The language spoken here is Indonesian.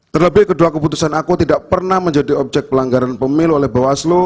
terlebih kedua keputusan aku tidak pernah menjadi objek pelanggaran pemilu oleh bawaslu